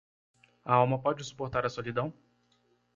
A alma pode suportar a solidão?